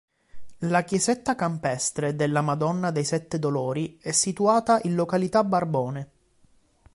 La chiesetta campestre della Madonna dei Sette Dolori è situata in località Barbone.